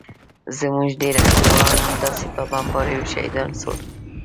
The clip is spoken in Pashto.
زموږ ډېر انډيوالان همداسې په بمباريو شهيدان سول.